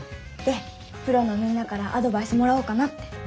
でプロのみんなからアドバイスもらおうかなって。